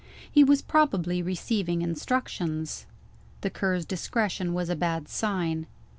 He was probably receiving instructions. The Cur's discretion was a bad sign.